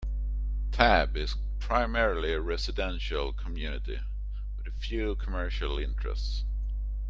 Tabb is primarily a residential community, with a few commercial interests.